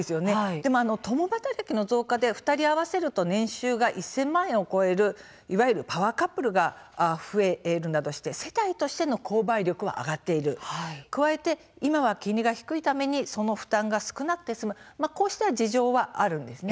共働きの増加で２人合わせると年収が１０００万円を超えるいわゆるパワーカップルが増えるなどして世帯としての購買力が上がっている加えて、今は金利が低いためその負担が少なくて済むという事情はあります。